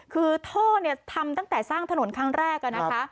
คือท่อทำตั้งแต่สร้างถนนครั้งแรก